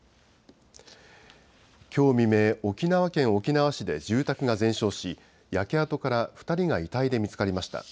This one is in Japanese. きょう未明、沖縄県沖縄市で住宅が全焼し、焼け跡から２人が遺体で見つかりました。